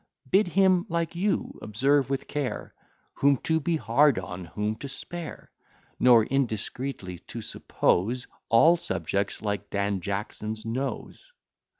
Bid him like you, observe with care, Whom to be hard on, whom to spare; Nor indiscreetly to suppose All subjects like Dan Jackson's nose.